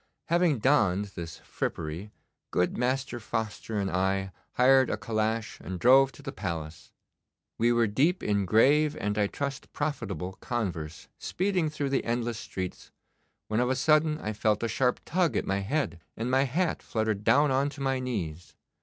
Having donned this frippery, good Master Foster and I hired a calash and drove to the Palace. We were deep in grave and, I trust, profitable converse speeding through the endless streets, when of a sudden I felt a sharp tug at my head, and my hat fluttered down on to my knees.